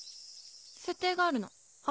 設定があるの。は？